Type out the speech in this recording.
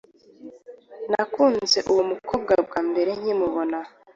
nakunze uwo mukobwa bwambere nkimubona